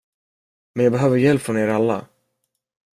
Men jag behöver hjälp från er alla.